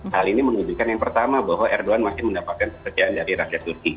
hal ini menunjukkan yang pertama bahwa erdogan masih mendapatkan pekerjaan dari rakyat turki